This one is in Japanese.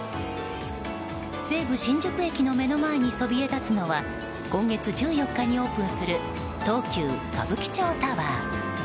西武新宿駅の目の前にそびえ立つのは今月１４日にオープンする東急歌舞伎町タワー。